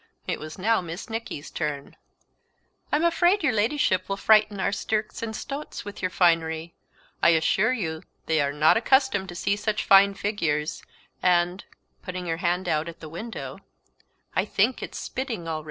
It was now Miss Nicky's turn. "I'm afraid your Ladyship will frighten our stirks and stots with your finery. I assure you they are not accustomed to see such fine figures; and" putting her hand out at the window "I think it's spitting already."